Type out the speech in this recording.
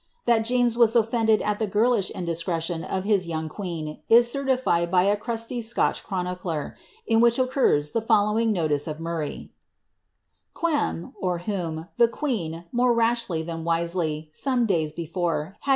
Thai James was otFended at the p'l iah indiscretion of his young queen is certified by a crusiv Sciwii chronicler,' in which occurs the following notice of Hurray •—•■ Quhi (whom) ilie queen, more rashly than wisely, some few days before, liad